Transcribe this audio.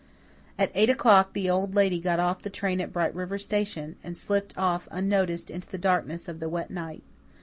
At eight o'clock the Old Lady got off the train at Bright River station, and slipped off unnoticed into the darkness of the wet night.